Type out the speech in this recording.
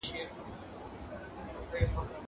زه ږغ اورېدلی دی!